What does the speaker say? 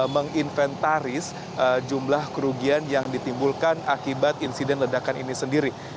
menginventaris jumlah kerugian yang ditimbulkan akibat insiden ledakan ini sendiri